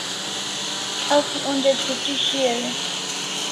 Asi onja ch'uti shiau e?